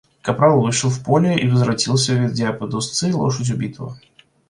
Капрал вышел в поле и возвратился, ведя под уздцы лошадь убитого.